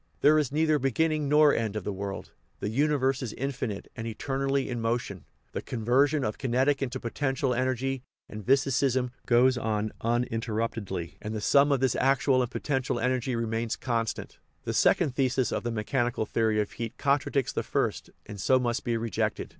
There is neither begin ning nor end of the world. The universe is infinite, 247 THE RIDDLE OF THE UNIVERSE and eternally in motion ; the conversion of kinetic into potential energy, and vicissim, goes on uninterrupted ly ; and the sum of this actual and potential energy remains constant. The second thesis of the mechan ical theory of heat contradicts the first, and so must be rejected.